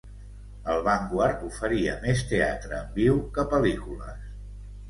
El Vanguard oferia més teatre en viu que pel·lícules.